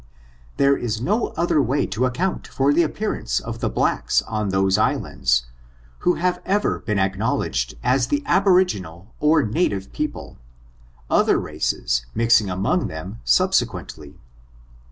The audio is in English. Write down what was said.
233 There is no other way to account for the appear ance of the blacks on those islands, who have ever been acknowledged as the aboriginal or native people, other races mixing among them subsequently.